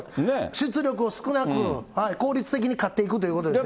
出力を少なく、効率的に勝っていくということですよね。